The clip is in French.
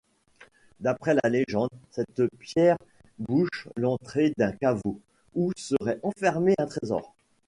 D'après la légende, cette pierre bouche l'entrée d'un caveau où serait enfermé un trésor.